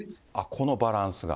このバランスが。